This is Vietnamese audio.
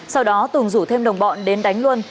sau đó tùng rủ thêm đồng bọn đến đánh luân